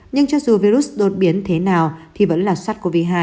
nhưng cho dù virus đột biến thế nào thì vẫn là sars cov hai